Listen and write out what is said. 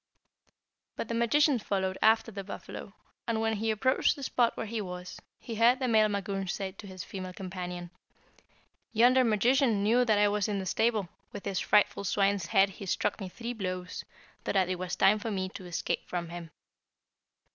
"But the magician followed after the buffalo, and when he approached the spot where he was, he heard the male Mangusch say to his female companion, 'Yonder magician knew that I was in the stable; with his frightful swine's head he struck me three blows so that it was time for me to escape from him.'